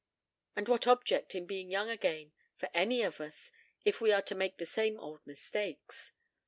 And what object in being young again for any of us if we are to make the same old mistakes?